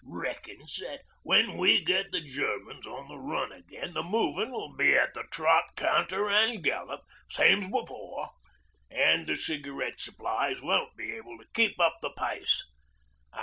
Reckons that when we get the Germans on the run again the movin' will be at the trot canter an' gallop, same's before; an' the cigarette supplies won't be able to keep up the pace.